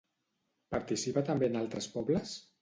Participa també en altres pobles?